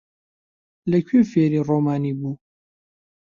لەکوێ فێری ڕۆمانی بوو؟